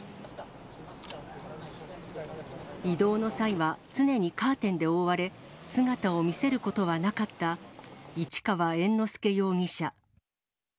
移動の際は、常にカーテンで覆われ、姿を見せることはなかった市川猿之助容疑者。